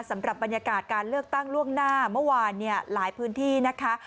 สำหรับบรรยากาศการเลือกตั้งล่วงหน้าเมื่อวานเนี่ยหลายพื้นที่นะคะ